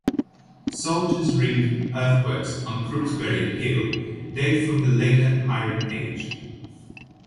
"Soldier's Ring" earthworks on Crooksbury Hill date from the later Iron Age.